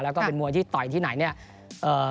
แล้วก็เป็นมวยที่ต่อยที่ไหนเนี่ย